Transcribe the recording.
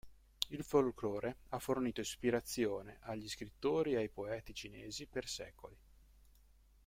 Il folclore ha fornito ispirazione agli scrittori e ai poeti cinesi per secoli.